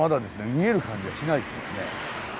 見える感じがしないですもんね。